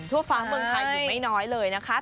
ทั่วฟ้าเมืองไทยอยู่ไม่น้อยเลยนะคะ